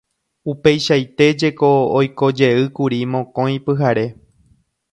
Upeichaite jeko oikojeýkuri mokõi pyhare.